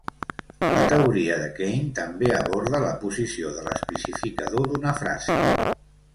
La teoria de Kayne també aborda la posició de l'especificador d'una frase.